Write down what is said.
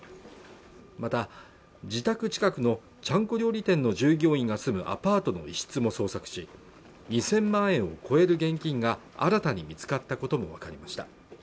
また自宅近くのちゃんこ料理店の従業員が住むアパートの一室も捜索し２０００万円を超える現金が新たに見つかったことも分かりました